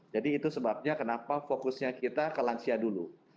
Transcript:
jadi itu sebabnya kenapa fokusnya kita ke lansia dulu